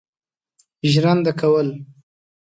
ژرنده کول.